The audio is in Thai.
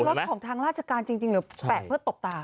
รถของทางราชการจริงหรือแปะเพื่อตบตา